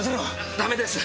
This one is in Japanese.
ダメです。